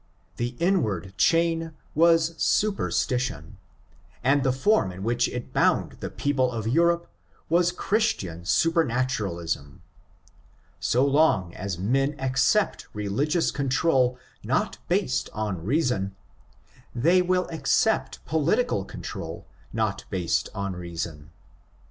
The inward chain was superstition, and the form in which it bound the people of Europe was Christian super naturalism. So long as men accept religious control not based on reason, they will accept political control not based on rea son.